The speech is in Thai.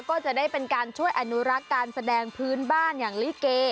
ก็จะได้เป็นการช่วยอนุรักษ์การแสดงพื้นบ้านอย่างลิเก